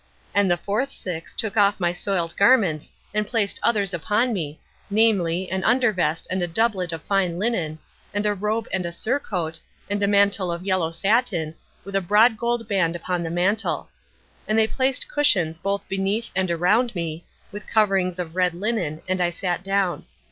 And the fourth six took off my soiled garments and placed others upon me, namely, an under vest and a doublet of fine linen, and a robe and a surcoat, and a mantle of yellow satin, with a broad gold band upon the mantle. And they placed cushions both beneath and around me, with coverings of red linen, and I sat down.